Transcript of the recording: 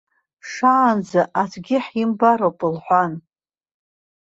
Шаанӡа, аӡәгьы ҳимбароуп лҳәан.